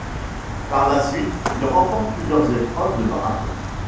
Par la suite il remporte plusieurs épreuves de marathon.